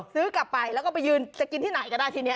ซื้อกลับไปแล้วก็ไปยืนจะกินที่ไหนก็ได้ทีนี้